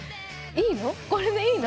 「いいの？